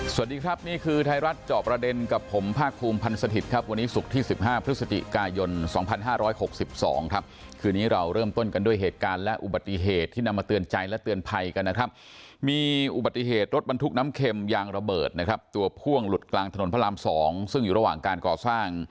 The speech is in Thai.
สวัสดีครับนี่คือไทยรัฐจอบประเด็นกับผมภาคภูมิพันธ์สถิตย์ครับวันนี้ศุกร์ที่๑๕พฤศจิกายน๒๕๖๒ครับคืนนี้เราเริ่มต้นกันด้วยเหตุการณ์และอุบัติเหตุที่นำมาเตือนใจและเตือนภัยกันนะครับมีอุบัติเหตุรถบรรทุกน้ำเข็มยางระเบิดนะครับตัวพ่วงหลุดกลางถนนพระราม๒ซึ่งอยู่ระหว่างการก่อสร้าง